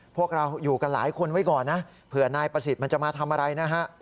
พวกเราอยู่กันหลายคนไว้ก่อนนะเผื่อนายประสิทธิ์มันจะมาทำอะไรนะฮะ